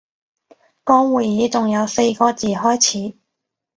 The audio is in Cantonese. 個會議仲有四個字開始